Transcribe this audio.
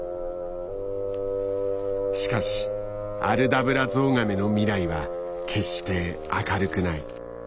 しかしアルダブラゾウガメの未来は決して明るくない。